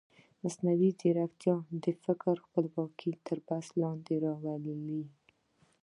مصنوعي ځیرکتیا د فکر خپلواکي تر بحث لاندې راولي.